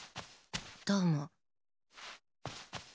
どうも。